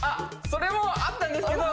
それもあったんですけど。